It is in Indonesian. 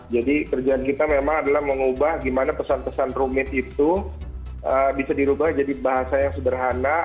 jadi kerjaan kita memang adalah mengubah gimana pesan pesan rumit itu bisa dirubah jadi bahasa yang sederhana